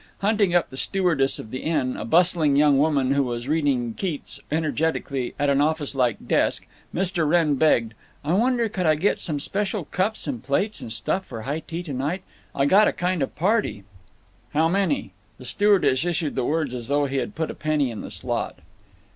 Hunting up the stewardess of the inn, a bustling young woman who was reading Keats energetically at an office like desk, Mr. Wrenn begged: "I wonder could I get some special cups and plates and stuff for high tea tonight. I got a kind of party—" "How many?" The stewardess issued the words as though he had put a penny in the slot.